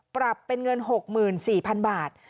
ปรับเป็นเงิน๖๔๐๐๐บาท